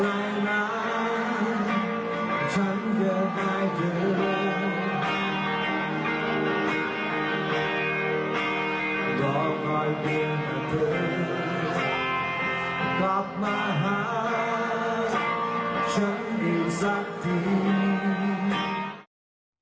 กลับมาหาฉันอีกสักที